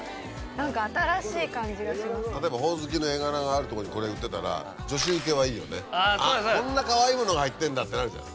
例えばほおずきの絵柄があるとこにこれ売ってたら女子ウケはいいよねこんなかわいいものが入ってるんだってなるじゃん。